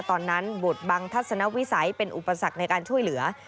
บทบังทัศนวิสัยเป็นอุปสรรคในการช่วยเหลือ